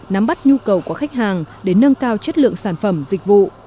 nắm bắt nhu cầu của khách hàng để nâng cao chất lượng sản phẩm dịch vụ